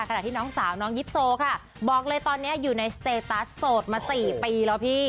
ขณะที่น้องสาวน้องยิปโซค่ะบอกเลยตอนนี้อยู่ในสเตตัสโสดมา๔ปีแล้วพี่